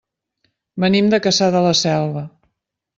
Venim de Cassà de la Selva.